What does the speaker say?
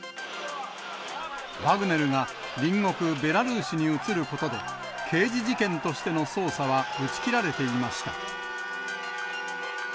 ワグネルが隣国ベラルーシに移ることで、刑事事件としての捜査は打ち切られていました。